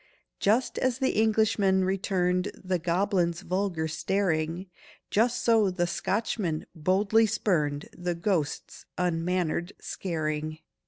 Just as the Englishman returned The goblin's vulgar staring, Just so the Scotchman boldly spurned The ghost's unmannered scaring.